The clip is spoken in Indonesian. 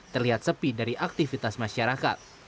terlihat sepi dari aktivitas masyarakat